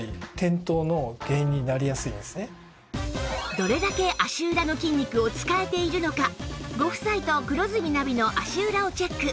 どれだけ足裏の筋肉を使えているのかご夫妻と黒住ナビの足裏をチェック